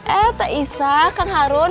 eh teh isha kang harun